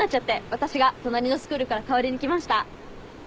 私が隣のスクールから代わりに来ました。